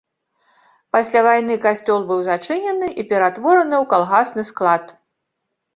Пасля вайны касцёл быў зачынены і ператвораны ў калгасны склад.